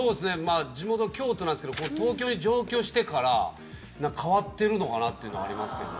地元京都なんですけど東京に上京してから変わってるのかなっていうのはありますけどね。